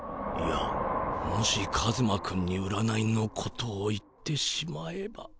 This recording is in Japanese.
もしカズマ君に占いのことを言ってしまえば。